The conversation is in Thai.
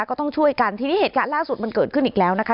ก็ต้องช่วยกันทีนี้เหตุการณ์ล่าสุดมันเกิดขึ้นอีกแล้วนะคะ